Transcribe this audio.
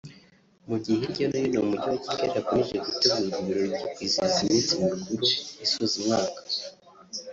Mu gihe hirya no hino mu mujyi wa Kigali hakomeje gutegurwa ibirori byo kwizihiza iminsi mikuru isoza umwaka